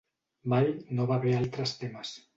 Mai no va haver altres temes.